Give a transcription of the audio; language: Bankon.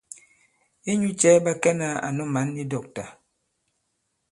Inyū cɛ̄ ɓa kɛnā ànu mǎn i dɔ̂kta ?